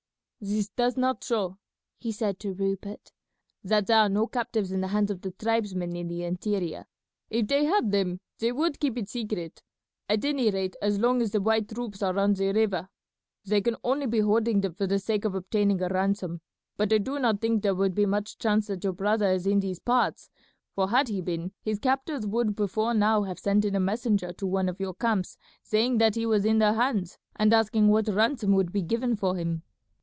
"This does not show," he said to Rupert, "that there are no captives in the hands of the tribesmen in the interior. If they had them they would keep it secret, at any rate as long as the white troops are on the river. They can only be holding them for the sake of obtaining a ransom, but I do not think that there would be much chance that your brother is in these parts, for had he been his captors would before now have sent in a messenger to one of your camps saying that he was in their hands and asking what ransom would be given for him.